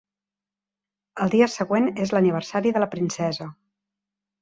El dia següent és l'aniversari de la princesa.